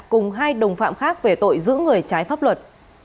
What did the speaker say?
cùng hai đồng phạm khác về tội giữ người trái pháp luật